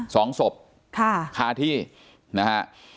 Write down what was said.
สองศพคาที่นะฮะ